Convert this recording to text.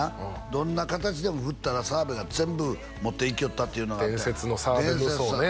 どんな形でも振ったら澤部が全部持っていきよったっていうのがあって伝説の澤部無双ね